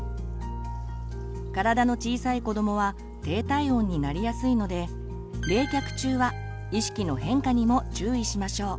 体の小さい子どもは低体温になりやすいので冷却中は意識の変化にも注意しましょう。